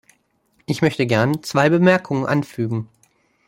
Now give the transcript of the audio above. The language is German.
Ich möchte gern zwei Bemerkungen anfügen.